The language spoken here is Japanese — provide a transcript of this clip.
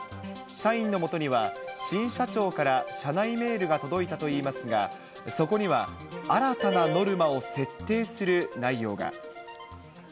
社員のもとには、新社長から社内メールが届いたといいますが、そこには新たなノルマを設定する内容が。